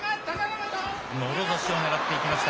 もろ差しを狙っていきました。